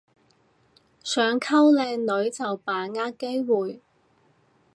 想溝靚女就把握機會